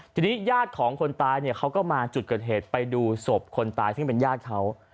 ทีนี้ญาติของคนตายเนี่ยเขาก็มาจุดเกิดเหตุไปดูศพคนตายซึ่งเป็นญาติเขา